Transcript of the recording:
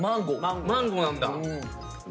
マンゴーなんだ。